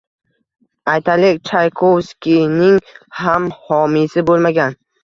Aytaylik, Chaykovskiyning ham homiysi bo‘lmagan